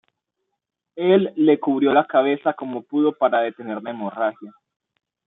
Él le cubrió la cabeza como pudo para detener la hemorragia.